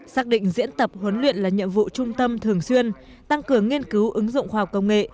xác định diễn tập huấn luyện là nhiệm vụ trung tâm thường xuyên tăng cường nghiên cứu ứng dụng khoa học công nghệ